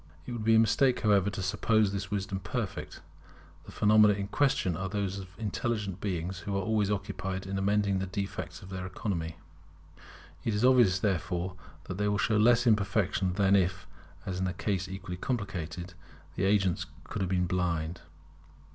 It would be a mistake, however, to suppose this wisdom perfect. The phenomena in question are those of intelligent beings who are always occupied in amending the defects of their economy. It is obvious, therefore, that they will show less imperfection than if, in a case equally complicated, the agents could have been blind.